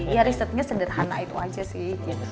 ya risetnya sederhana itu aja sih